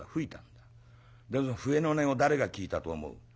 だけど笛の音を誰が聞いたと思う？」。